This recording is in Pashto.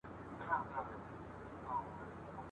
اوس به ځي په سمندر کی به ډوبیږي ..